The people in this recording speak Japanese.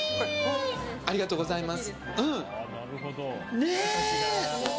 ありがとうございます。